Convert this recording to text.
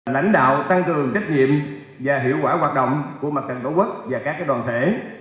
lãnh đạo tăng cường trách nhiệm và hiệu quả hoạt động của mặt trận tổ quốc và các đoàn thể